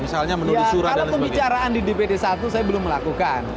kalau pembicaraan di dpd satu saya belum melakukan